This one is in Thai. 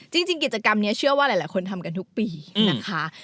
จริงกิจกรรมนี้เชื่อว่าหลายคนทำกันทุกปีนะคะ